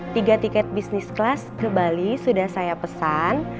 tiga tiket bisnis kelas ke bali sudah saya pesan